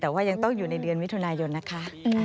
แต่ว่ายังต้องอยู่ในเดือนมิถุนายนนะคะ